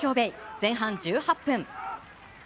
前半１８分。